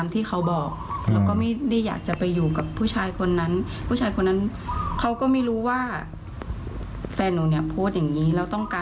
ติดใจค่ะมันก็ทำให้เสื่อมเสียเนาะ